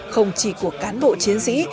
không chỉ của cán bộ chiến sĩ